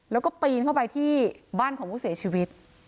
แล้วก็ปีนเข้าไปที่บ้านของผู้เสียชีวิต